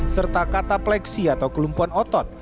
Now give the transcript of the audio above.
serta katapleksi atau kelumpuhan otot